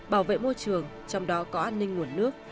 bảo vệ môi trường trong đó có an ninh nguồn nước